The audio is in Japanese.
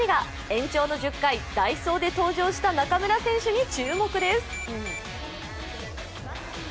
延長の１０回、代走で登場した中村選手に注目です。